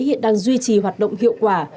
hiện đang duy trì hoạt động hiệu quả